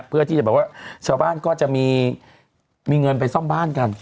เพื่อที่จะแบบว่าชาวบ้านก็จะมีเงินไปซ่อมบ้านกัน